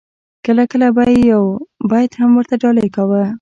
کله کله به یې یو بیت هم ورته ډالۍ کاوه.